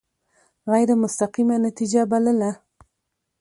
غیر مستقیمه نتیجه بلله.